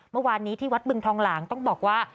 เมื่อวานนี้ที่วัดบึงทองหลางต้องบอกว่า